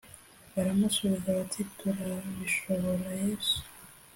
baramusubiza bati “turabishobora yesu”